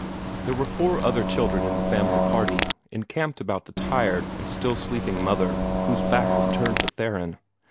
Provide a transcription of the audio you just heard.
There were four other children in the family party, encamped about the tired and still sleeping mother whose back was turned to Theron.